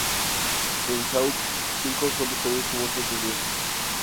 En "Saw V" solo se ve su muerte dos veces.